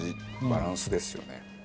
バランスですよね。